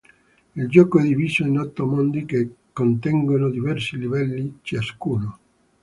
Il gioco è diviso in otto mondi che contengono diversi livelli ciascuno.